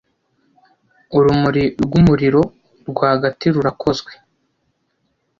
'' Urumuri rwumuriro rwagati rurakozwe